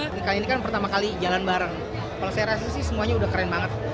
nikah ini kan pertama kali jalan bareng kalau saya rasa sih semuanya udah keren banget